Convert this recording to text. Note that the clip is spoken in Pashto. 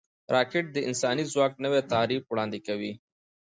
راکټ د انساني ځواک نوی تعریف وړاندې کوي